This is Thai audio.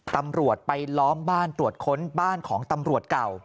ตำรวจไปล้อมบ้านตรวจค้นบ้านของตำรวจเก่า